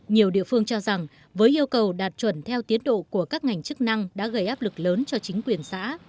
nhiều địa phương cho rằng với yêu cầu đạt chuẩn theo tiến độ của các ngành chức năng đã gây áp lực lớn cho chính quyền xã